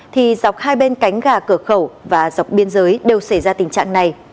thì dọc hai bên cánh gà cửa khẩu và dọc biên giới đều xảy ra tình trạng này